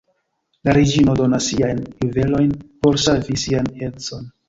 La reĝino donas ŝiajn juvelojn por savi sian edzon.